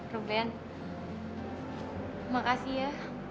ruben makasih ya